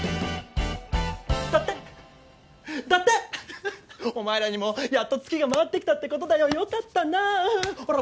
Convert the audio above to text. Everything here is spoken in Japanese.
だってだってお前らにもやっとツキが回ってきたってことだよかったなほら